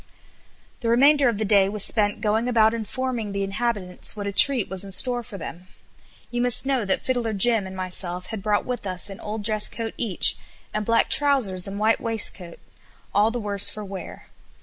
'" The remainder of the day was spent going about informing the inhabitants what a treat was in store for them. You must know that Fiddler Jim and myself had brought with us an old dress coat each, and black trousers and white waistcoat, all the worse for wear.